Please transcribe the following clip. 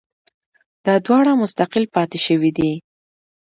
دا دواړه مستقل پاتې شوي دي